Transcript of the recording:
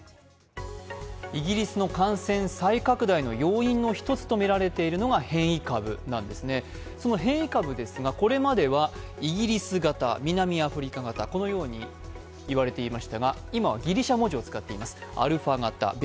イギリスの感染再拡大の要因の一つとみられているのが変異株なんですね、その変異株ですが、これまではイギリス型、南アフリカ型、このように言われていましたが、今はギリシャ文字を使っています。